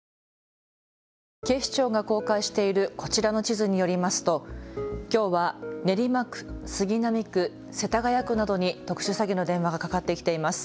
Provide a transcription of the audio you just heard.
警視庁が公開しているこちらの地図によりますときょうは練馬区、杉並区、世田谷区などに特殊詐欺の電話がかかってきています。